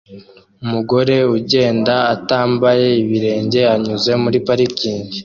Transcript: Umugore ugenda utambaye ibirenge anyuze muri parikingi